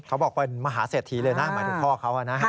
เขาบอกเป็นมหาเศรษฐีเลยนะหมายถึงพ่อเขานะ